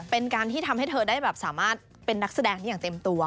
เป็นการที่ทำให้เธอได้แบบสามารถเป็นนักแสดงได้อย่างเต็มตัว